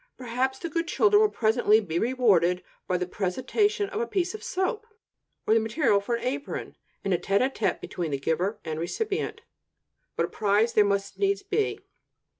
Perhaps the good children will presently be rewarded by the presentation of a piece of soap, or the material for an apron, in a tête a tête between giver and recipient. But a prize there must needs be.